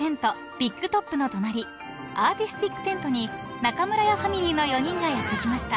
ビッグトップの隣アーティスティックテントに中村屋ファミリーの４人がやって来ました］